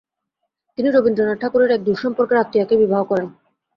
তিনি রবীন্দ্রনাথ ঠাকুরের এক দুঃসম্পর্কের আত্মীয়াকে বিবাহ করেন।